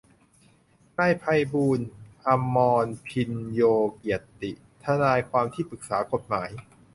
นายไพบูลย์ อมรภิญโญเกียรติ ทนายความที่ปรึกษากฏหมาย